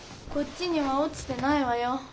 こっちにはおちてないわよ。